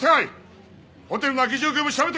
ホテルの空き状況も調べておけ！